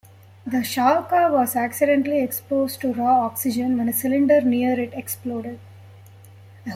The Shalka was accidentally exposed to raw oxygen when a cylinder near it exploded.